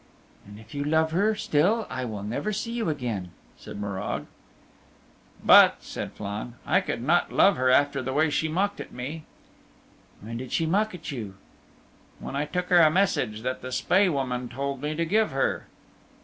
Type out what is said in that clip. "And if you love her still I will never see you again," said Morag. "But," said Flann, "I could not love her after the way she mocked at me." "When did she mock at you?" "When I took her a message that the Spae Woman told me to give her."